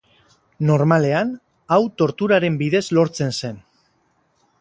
Normalean, hau torturaren bidez lortzen zen.